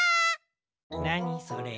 なにそれ。